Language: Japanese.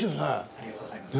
ありがとうございます。